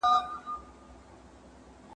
وروستۍ رڼا به دې د شپې زړه ته در ورسوم !.